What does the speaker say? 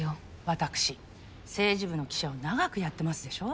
私政治部の記者を長くやってますでしょう？